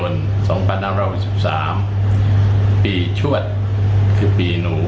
วันนี้วันที่๗กัญญายน๒๐๑๓ปีชวดคือปีหนู